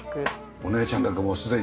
お姉ちゃんなんかもすでに。